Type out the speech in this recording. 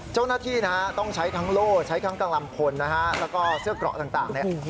เจ้าหน้าที่ต้องใช้ทั้งโล่ใช้ทั้งกลางลำพลแล้วก็เสื้อกรอกต่าง